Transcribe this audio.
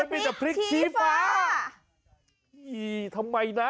ทำไมนะทำไมนะทำไมนะ